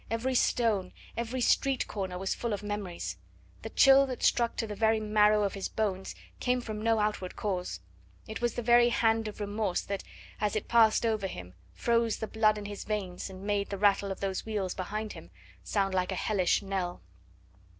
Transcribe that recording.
Every stone, every street corner was full of memories. The chill that struck to the very marrow of his bones came from no outward cause; it was the very hand of remorse that, as it passed over him, froze the blood in his veins and made the rattle of those wheels behind him sound like a hellish knell.